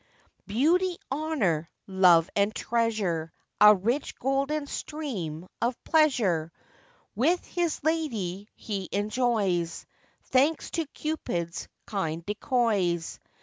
Beauty, honour, love, and treasure, A rich golden stream of pleasure, With his lady he enjoys; Thanks to Cupid's kind decoys.